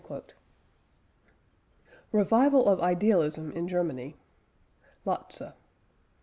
" REVIVAL OF IDEALISM IN GERMANY. LOTZE.